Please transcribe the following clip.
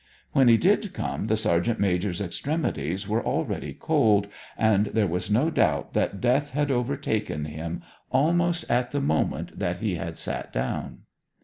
When he did come the sergeant major's extremities were already cold, and there was no doubt that death had overtaken him almost at the moment that he had sat down.